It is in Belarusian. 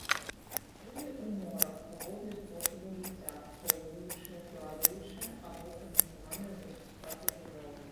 Жылі ў морах, паводле спосабу жыцця поўзаючыя, плаваючыя або прымацаваныя да субстрату жывёлы.